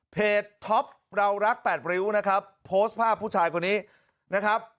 ท็อปเรารักแปดริ้วนะครับโพสต์ภาพผู้ชายคนนี้นะครับ